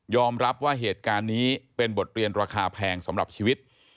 รับว่าเหตุการณ์นี้เป็นบทเรียนราคาแพงสำหรับชีวิต